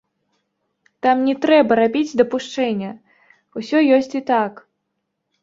Там не трэба рабіць дапушчэння — усё ёсць і так.